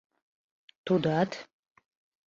Тудат...